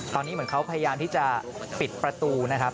ตอนนี้เหมือนเขาพยายามที่จะปิดประตูนะครับ